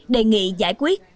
đề nghị giải quyết